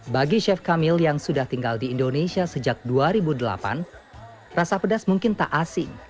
bagi chef kamil yang sudah tinggal di indonesia sejak dua ribu delapan rasa pedas mungkin tak asing